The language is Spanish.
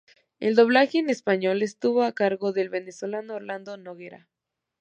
El doblaje en español estuvo a cargo del venezolano Orlando Noguera.